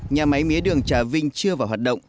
nhà máy mía đường trà vinh chưa vào hoạt động